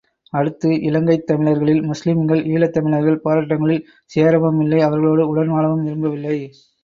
அடுத்து, இலங்கைத் தமிழர்களில் முஸ்லீம்கள், ஈழத் தமிழர்கள் போராட்டங்களில் சேரவும் இல்லை அவர்களோடு உடன் வாழவும் விரும்பவில்லை.